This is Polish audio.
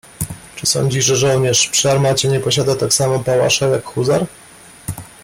"Czy sądzisz, że żołnierz przy armacie nie posiada tak samo pałasza, jak huzar?"